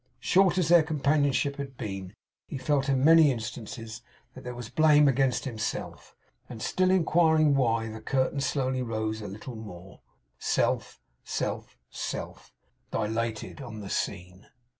Short as their companionship had been, he felt in many, many instances, that there was blame against himself; and still inquiring why, the curtain slowly rose a little more, and Self, Self, Self, dilated on the scene.